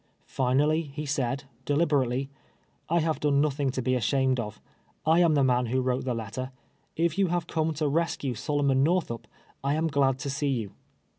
Finally he said, deliberately —" I have done nothing to he ashamed of. I am the man wIkj wrote the letter. If you have come to res cue SoloiiKni Xorthup, I aju glad to see you."